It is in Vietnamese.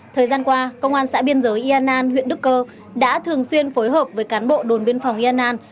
thời gian qua công an xã biên giới yên an huyện đức cơ đã thường xuyên phối hợp với cán bộ đồn biên phòng yên an